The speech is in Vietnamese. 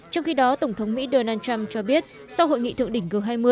trong khi đó tổng thống mỹ donald trump cho biết sau hội nghị thượng đỉnh g hai mươi